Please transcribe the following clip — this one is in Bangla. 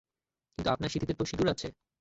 কিন্তু আপনার সিথিতে তো সিঁদুর আছে।